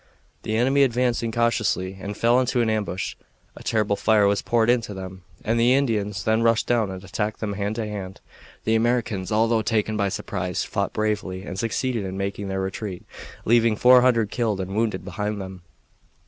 The enemy advanced incautiously and fell into an ambush. A terrible fire was poured into them, and the Indians then rushed down and attacked them hand to hand. The Americans, although taken by surprise, fought bravely and succeeded in making their retreat, leaving four hundred killed and wounded behind them.